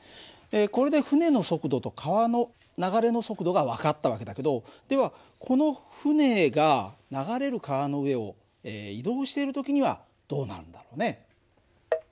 これで船の速度と川の流れの速度が分かった訳だけどではこの船が流れる川の上を移動している時にはどうなるんだろうね？